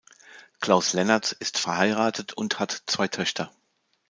Klaus Lennartz ist verheiratet und hat zwei Töchter.